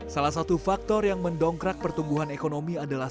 salah satu faktor yang mendongkrak pertumbuhan ekonomi adalah